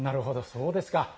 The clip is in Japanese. そうですか。